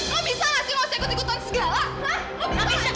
kamisya udah sekut ikutan segala